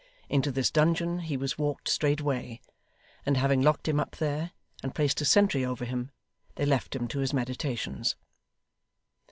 Into this dungeon he was walked straightway; and having locked him up there, and placed a sentry over him, they left him to his meditations.